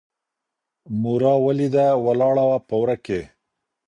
مورا ولیده ولاړه وه په وره کي